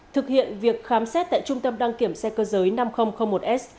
thực hiện việc khám xét tại trung tâm đăng kiểm xe cơ giới năm nghìn một s